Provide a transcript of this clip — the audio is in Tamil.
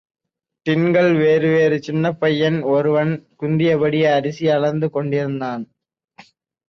டின்கள் வேறு வேறு சின்னப்பையன் ஒருவன் குந்தியபடி அரிசி அளந்து கொண்டிருந்தான்.